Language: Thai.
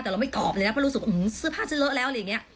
แต่เราไม่ตอบเลยนะเพราะรู้สึกว่าซื้อผ้าจะเลอะแล้ว